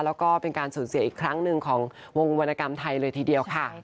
แล้วก็เป็นการสูญเสียอีกครั้งหนึ่งของวงวรรณกรรมไทยเลยทีเดียวค่ะ